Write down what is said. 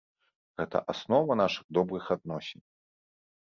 Гэта аснова нашых добрых адносін.